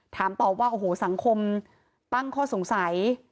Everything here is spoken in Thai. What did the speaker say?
ถามตอบว่าโอ้โหสังคมตั้งข้อสงสัย